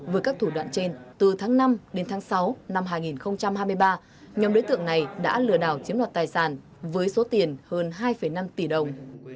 với các thủ đoạn trên từ tháng năm đến tháng sáu năm hai nghìn hai mươi ba nhóm đối tượng này đã lừa đảo chiếm đoạt tài sản với số tiền hơn hai năm tỷ đồng